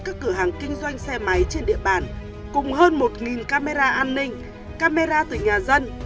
các cửa hàng kinh doanh xe máy trên địa bàn cùng hơn một camera an ninh camera từ nhà dân